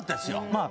まあ